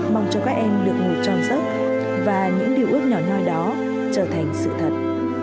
mong cho các em được ngủ tròn rớt và những điều ước nhỏ nhoi đó trở thành sự thật